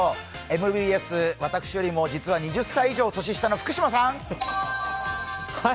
ＭＢＳ、私より実は２０歳以上年下の福島さん。